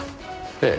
ええ。